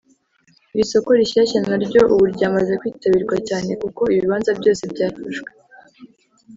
Iri soko rishyashya na ryo ubu ryamaze kwitabirwa cyane kuko ibibanza byose byafashwe